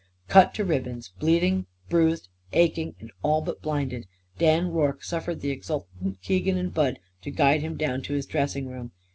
Cut to ribbons, bleeding, bruised, aching and all but blinded, Dan Rorke suffered the exultant Keegan and Bud to guide him down to his dressing room.